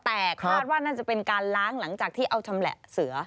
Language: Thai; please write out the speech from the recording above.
แต่คาดว่าน่าจะเป็นการล้างหลังจากที่เอาชำแหละเสือ